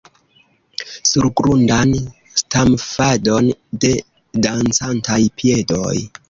Surgrundan stamfadon de dancantaj piedoj.